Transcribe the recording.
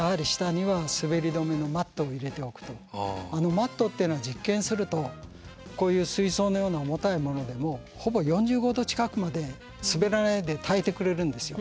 マットっていうのは実験するとこういう水槽のような重たいものでもほぼ４５度近くまで滑らないで耐えてくれるんですよ。